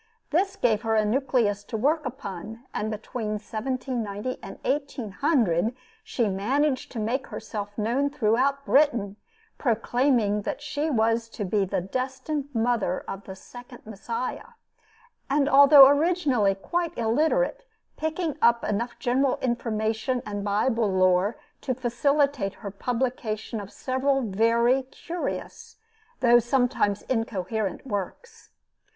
This gave her a nucleus to work upon, and between 1790 and 1800, she managed to make herself known throughout Britain, proclaiming that she was to be the destined Mother of the Second Messiah, and although originally quite illiterate, picking up enough general information and Bible lore, to facilitate her publication of several very curious, though sometimes incoherent works.